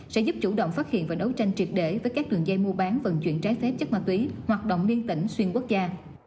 sẽ giúp chủ động phát hiện và đấu tranh triệt để với các đường dây mua bán vận chuyển trái phép chất ma túy hoạt động liên tỉnh xuyên quốc gia